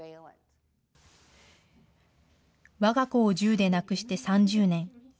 わが子を銃で亡くして３０年。